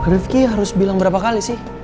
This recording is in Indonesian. rifki harus bilang berapa kali sih